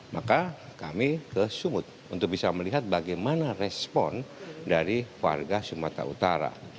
maka kami ke sumut untuk bisa melihat bagaimana respon dari warga sumatera utara